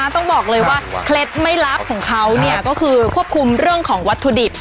ต้องบอกเลยว่าเคล็ดไม่ลับของเขาก็คือควบคุมเรื่องของวัตถุดิบ